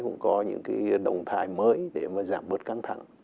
cũng có những cái động thái mới để mà giảm bớt căng thẳng